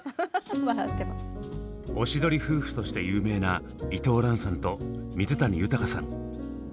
おしどり夫婦として有名な伊藤蘭さんと水谷豊さん。